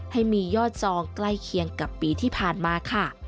ให้มียอดจองใกล้เคียงกับปีที่ผ่านมาค่ะ